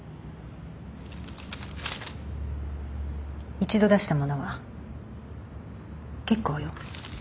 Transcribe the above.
一度出したものは結構よ。